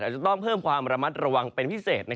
อาจจะต้องเพิ่มความระมัดระวังเป็นพิเศษ